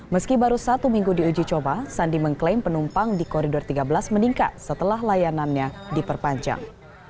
meski baru satu minggu diuji coba sandi mengklaim penumpang di koridor tiga belas meningkat setelah layanannya diperpanjang